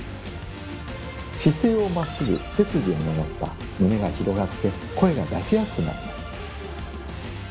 姿勢をまっすぐ背筋を伸ばせば胸が広がって声が出しやすくなります。